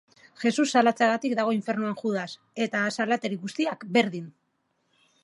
Jesus salatzeagatik dago infernuan Judas, eta salatari guztiak berdin!